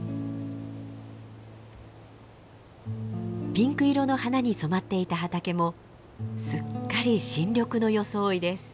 ピンク色の花に染まっていた畑もすっかり新緑の装いです。